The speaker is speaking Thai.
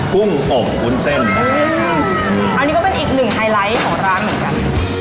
กุ้งอบวุ้นเส้นอันนี้ก็เป็นอีกหนึ่งไฮไลท์ของร้านเหมือนกัน